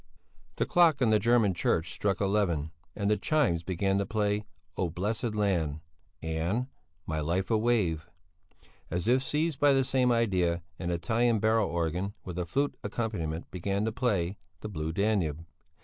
The clock on the German church struck eleven, and the chimes began to play "Oh blessed land" and "My life a wave"; as if seized by the same idea, an Italian barrel organ, with a flute accompaniment, began to play "The Blue Danube."